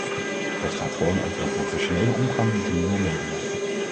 Het gaat gewoon over een professionele omgang met de nieuwe media.